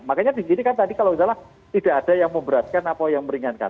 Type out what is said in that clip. makanya di sini kan tadi kalau tidak ada yang memberatkan atau yang meringankan